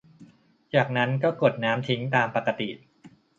จากนั้นก็กดน้ำทิ้งตามปกติ